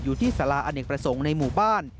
ที่สาราอเนกประสงค์ในหมู่บ้าน